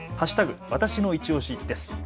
わたしのいちオシです。